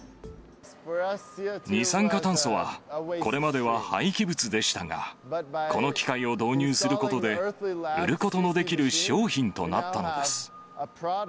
二酸化炭素は、これまでは廃棄物でしたが、この機械を導入することで、売ることのできる商品となったのです。